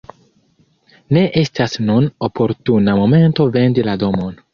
Ne estas nun oportuna momento vendi la domon.